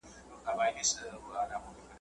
نور لا څه غواړې له ستوني د منصوره ,